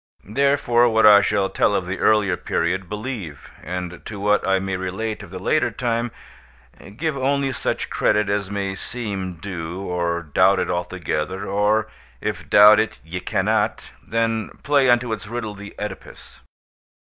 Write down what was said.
Therefore, what I shall tell of the earlier period, believe; and to what I may relate of the later time, give only such credit as may seem due, or doubt it altogether, or, if doubt it ye cannot, then play unto its riddle the Oedipus.